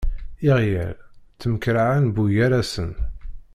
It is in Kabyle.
Iɣyal temkerraɛen buygarasen.